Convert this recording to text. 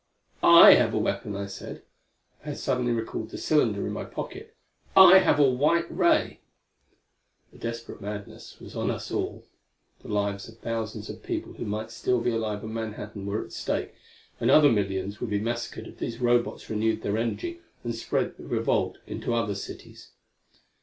"I have a weapon!" I said. I had suddenly recalled the cylinder in my pocket. "I have a white ray!" A desperate madness was on us all. The lives of thousands of people who might still be alive on Manhattan were at stake; and other millions would be menaced if these Robots renewed their energy and spread the revolt into other cities.